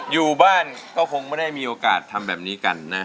อยู่บ้านก็คงไม่ได้มีโอกาสทำแบบนี้กันนะ